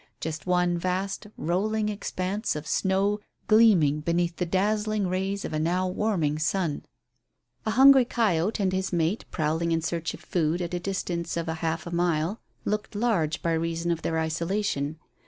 Just one vast rolling expanse of snow gleaming beneath the dazzling rays of a now warming sun. A hungry coyote and his mate prowling in search of food at a distance of half a mile looked large by reason of their isolation.